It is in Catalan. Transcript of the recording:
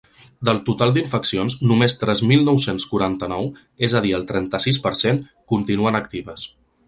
Del total d’infeccions només tres mil nou-cents quaranta-nou, és a dir el trenta-sis per cent, continuen actives.